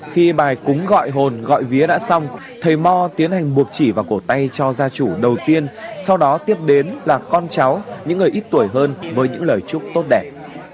khi bài cúng gọi hồn gọi vía đã xong thầy mò tiến hành buộc chỉ vào cổ tay cho gia chủ đầu tiên sau đó tiếp đến là con cháu những người ít tuổi hơn với những lời chúc tốt đẹp